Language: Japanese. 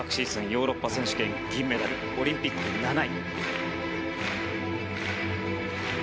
ヨーロッパ選手権、銀メダルオリンピック７位。